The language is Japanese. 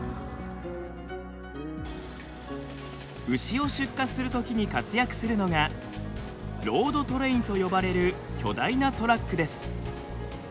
牛を出荷するときに活躍するのがロードトレインと呼ばれる巨大なトラックです。